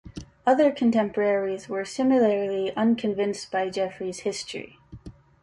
Other contemporaries were similarly unconvinced by Geoffrey's "History".